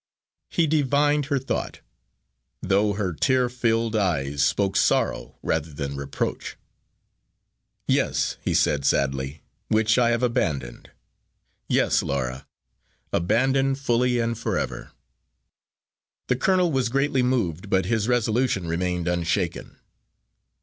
He divined her thought, though her tear filled eyes spoke sorrow rather than reproach. "Yes," he said sadly, "which I have abandoned. Yes, Laura, abandoned, fully and forever." The colonel was greatly moved, but his resolution remained unshaken.